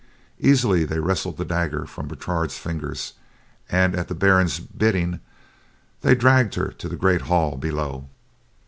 Easily they wrested the dagger from Bertrade's fingers, and at the Baron's bidding, they dragged her to the great hall below.